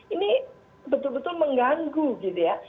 ini betul betul mengganggu gitu ya